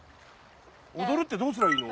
るってどうすればいいの？